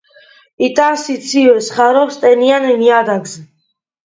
იტანს სიცივეს, ხარობს ტენიან ნიადაგზე.